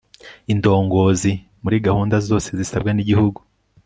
indongozi muri gahunda zose zisabwa n'igihugu